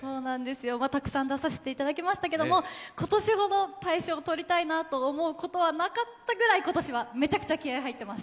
たくさん出させていただきましたけれども、今年ほど大賞を取りたいなと思うことはなかったぐらい今年はめちゃくちゃ気合い入ってます。